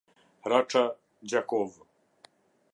Raça, Gjakovë